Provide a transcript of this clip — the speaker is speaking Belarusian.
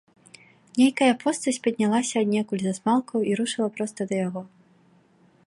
Нейкая постаць паднялася аднекуль з асмалкаў і рушыла проста да яго.